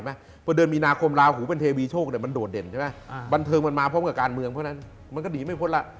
เพราะเดือนมีนาคมลาหูเป็นเทวีโชคมันโดดเด่นใช่ไหมบันเทิงมันมาพร้อมกับการเมืองเพราะฉะนั้นมันก็หนีไม่พ้นแล้ว